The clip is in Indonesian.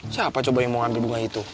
siapa coba yang mau ngambil bunga itu